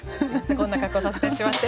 こんな格好させてしまって。